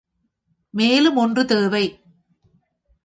மேலும் ஒன்று தேவை.